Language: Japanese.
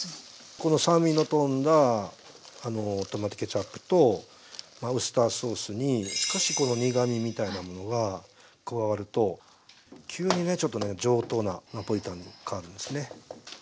この酸味のとんだトマトケチャップとウスターソースに少しこの苦みみたいなものが加わると急にねちょっとね上等なナポリタンに変わるんですね。